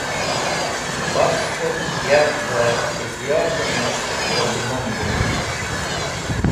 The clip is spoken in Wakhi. Bakhs̃h k̃hetk yarkvẽ ityotẽ mesh tẽrleman gok̃hit